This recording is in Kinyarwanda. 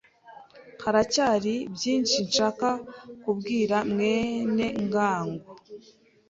Haracyari byinshi nshaka kubwira mwene ngango.